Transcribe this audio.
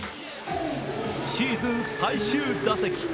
シーズン最終打席。